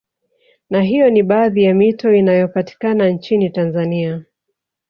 Na hiyo ni baadhi ya mito inayopatikana nchini Tanzania